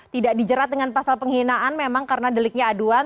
tidak dijerat dengan pasal penghinaan memang karena deliknya aduan